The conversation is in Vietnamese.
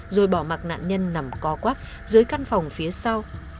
rồi bỏ mặt nạn nhân nằm co quắc dưới căn phòng phía sau